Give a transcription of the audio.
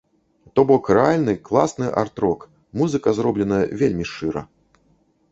То бок рэальны, класны арт-рок, музыка, зробленая вельмі шчыра.